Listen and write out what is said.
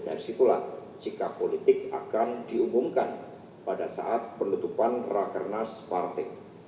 dan disitulah sikap politik akan diumumkan pada saat penutupan rakernas partai